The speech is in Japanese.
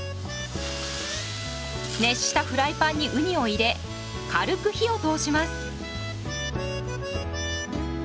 熱したフライパンにウニを入れ軽く火を通します。